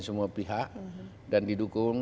semua pihak dan didukung